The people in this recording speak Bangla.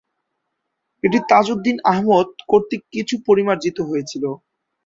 এটি তাজউদ্দীন আহমদ কর্তৃক কিছু পরিমার্জিত হয়েছিল।